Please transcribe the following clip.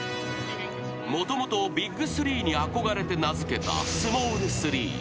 ［もともとＢＩＧ３に憧れて名付けたスモール３］